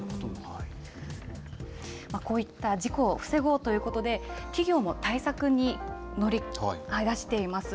こういった事故を防ごうということで、企業も対策に乗り出しています。